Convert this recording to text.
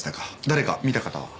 誰か見た方は？